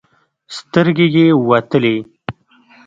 سترګې يې وتلې.